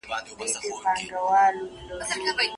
نو لیکل دې مانا لري.